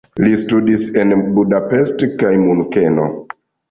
Li studis en Budapest kaj Munkeno.